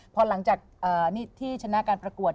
พอหลังจากที่ชนะการประกวด